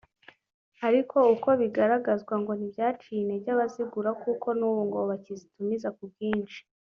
ariko uko bigaragazwa ngo ntibyaciye intege abazigura kuko n’ubu ngo bakizitumiza ku bwinshi